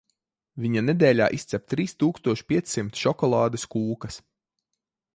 Viņa nedēļā izcep trīs tūkstoš piecsimt šokolādes kūkas.